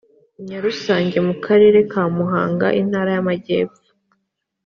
nyarusange mu karere ka muhanga intara y amajyepfo